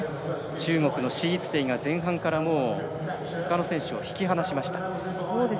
中国の史逸ていが前半からほかの選手を引き離しました。